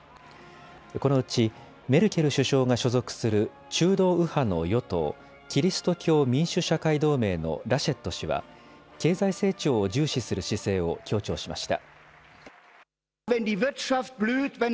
このうちメルケル首相が所属する中道右派の与党キリスト教民主・社会同盟のラシェット氏は経済成長を重視する姿勢を強調しました。